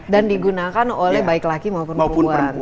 dan digunakan oleh baik laki maupun perempuan